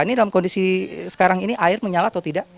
ini dalam kondisi sekarang ini air menyala atau tidak